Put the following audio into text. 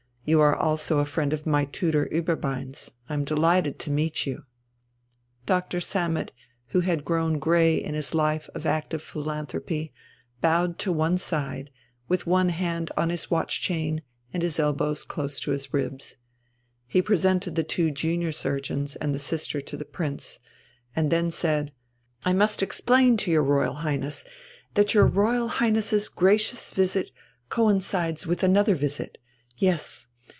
You are also a friend of my tutor Ueberbein's. I am delighted to meet you." Doctor Sammet, who had grown grey in his life of active philanthropy, bowed to one side, with one hand on his watch chain and his elbows close to his ribs. He presented the two junior surgeons and the sister to the Prince, and then said: "I must explain to your Royal Highness that your Royal Highness's gracious visit coincides with another visit. Yes.